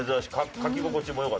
書き心地も良かった。